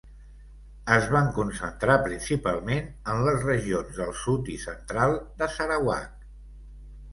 Es van concentrar principalment en les regions del sud i central de Sarawak.